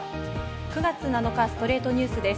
９月７日、『ストレイトニュース』です。